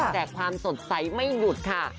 แต่ความสดใสไม่หยุดค่ะ